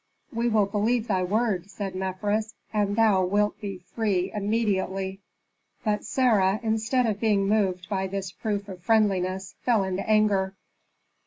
"We will believe thy word," said Mefres, "and thou wilt be free immediately." But Sarah, instead of being moved by this proof of friendliness, fell into anger.